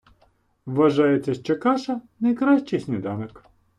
Вважається, що каша — найкращий сніданок.